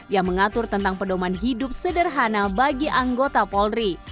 yang mengatur tentang pedoman hidup sederhana bagi anggota polri